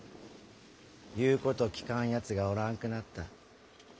言うこと聞かんやつがおらんくなった。